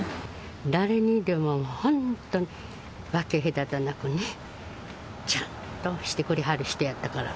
誰にでも本当に分け隔てなくね、ちゃんとしてくれはる人やったから。